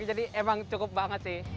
jadi emang cukup banget sih